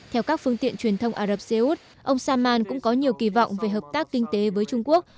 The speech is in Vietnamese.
theo các phương tiện truyền thông ả rập xê út ông salman cũng có nhiều kỳ vọng về hợp tác kinh tế với trung quốc